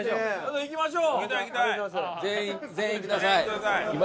いきましょう。